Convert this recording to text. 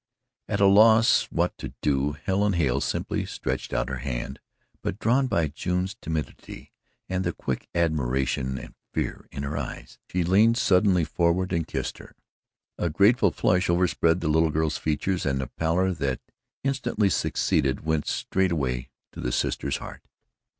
At a loss what to do, Helen Hale simply stretched out her hand, but drawn by June's timidity and the quick admiration and fear in her eyes, she leaned suddenly forward and kissed her. A grateful flush overspread the little girl's features and the pallor that instantly succeeded went straight way to the sister's heart.